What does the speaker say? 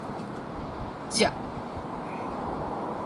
跡